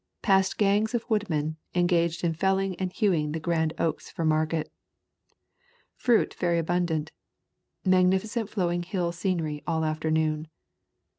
Passed gangs of woodmen engaged in fell ing and hewing the grand oaks for market. Fruit very abundant. Magnificent flowing hill scenery all afternoon.